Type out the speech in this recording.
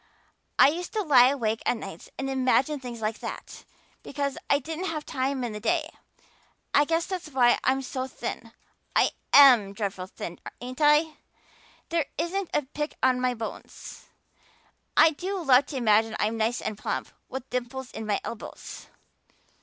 I used to lie awake at nights and imagine things like that, because I didn't have time in the day. I guess that's why I'm so thin I am dreadful thin, ain't I? There isn't a pick on my bones. I do love to imagine I'm nice and plump, with dimples in my elbows."